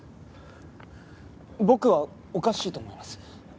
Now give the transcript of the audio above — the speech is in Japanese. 僕はおかしいと思います。